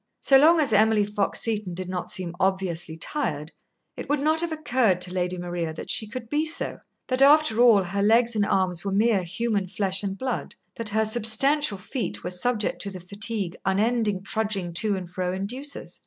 So long as Emily Fox Seton did not seem obviously tired, it would not have occurred to Lady Maria that she could be so; that, after all, her legs and arms were mere human flesh and blood, that her substantial feet were subject to the fatigue unending trudging to and fro induces.